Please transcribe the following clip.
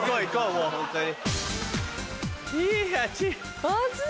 もうホントに。